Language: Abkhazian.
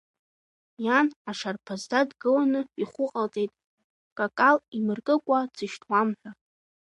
Иан ашарԥазӡа дгыланы ихәы ҟалҵеит, какал имыркыкәа дсышьҭуам ҳәа.